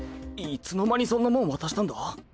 いつの間にそんなもん渡したんだ？